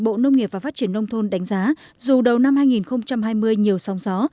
bộ nông nghiệp và phát triển nông thôn đánh giá dù đầu năm hai nghìn hai mươi nhiều sóng gió